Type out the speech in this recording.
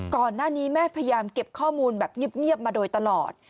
ก่อนหน้านี้แม่พยายามเก็บข้อมูลแบบเงียบมาโดยตลอด